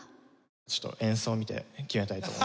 ちょっと演奏を見て決めたいと思います。